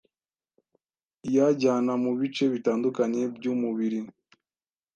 iyajyana mu bice bitandukanye by’umubiri